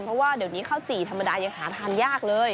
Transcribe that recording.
เพราะว่าเดี๋ยวนี้ข้าวจี่ธรรมดายังหาทานยากเลย